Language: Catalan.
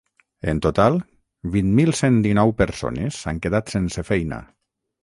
En total, vint mil cent dinou persones s’han quedat sense feina.